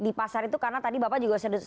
di pasar itu karena tadi bapak juga sudah